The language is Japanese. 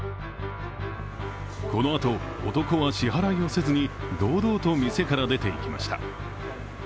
このあと、男は支払いをせずに堂々と店から出ていきました。